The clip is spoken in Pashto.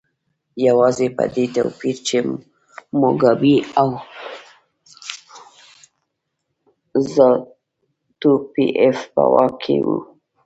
یوازې په دې توپیر چې موګابي او زانو پي ایف په واک کې وو.